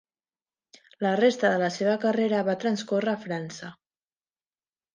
La resta de la seva carrera va transcórrer a França.